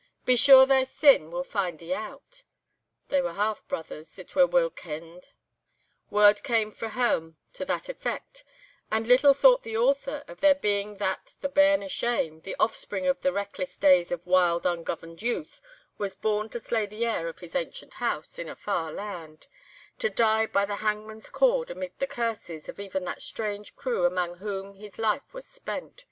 'Be sure thy sin will find thee out.' They were half brithers, it was weel kenned, word came frae hame to that effect, and little thought the author of their being that the bairn o' shame, the offspring of the reckless days of wild, ungoverned youth, was born to slay the heir of his ancient house, in a far land; to die by the hangman's cord, amid the curses of even that strange crew amang whom his life was spent.